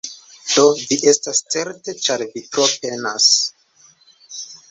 Do, vi estas certe ĉar vi tro penas